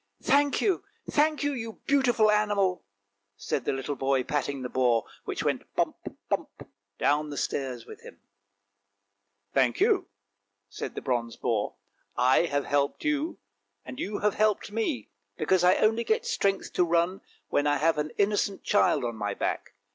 "Thank you, thank you, you beautiful animal! " said the little boy patting the boar, which went bump, bump, down the stairs with him. THE BRONZE BOAR 337 " Thank you! " said the bronze boar. " I have helped you, and you have helped me, because I only get strength to run when I have an innocent child on my back!